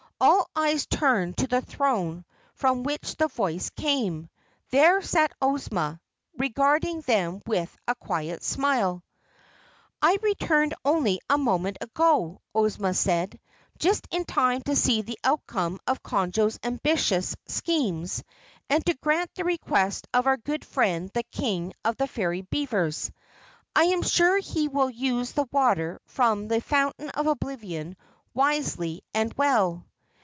All eyes turned to the throne from which the voice came. There sat Ozma, regarding them with a quiet smile. "I returned only a moment ago," Ozma said. "Just in time to see the outcome of Conjo's ambitious schemes and to grant the request of our good friend the King of the Fairy Beavers. I am sure he will use the water from the Fountain of Oblivion wisely and well."